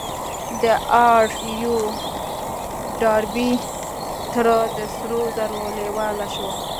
د آر يو ډاربي تره د سرو زرو لېواله شو.